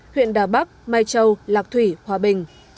huyện đà bắc mai châu lạc thủy hòa bình